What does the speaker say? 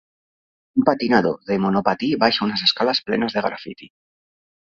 Un patinador de monopatí baixa unes escales plenes de grafiti.